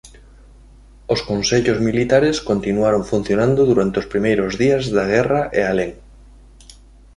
Os consellos militares continuaron funcionando durante os primeiros días da guerra e alén.